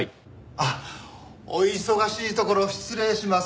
あっお忙しいところ失礼します。